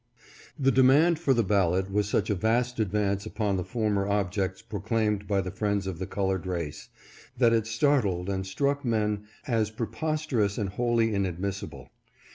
The demand for the ballot was such a vast advance upon the former objects proclaimed by the friends of the colored race, that it startled and struck men as prepos terous and wholly inadmissible.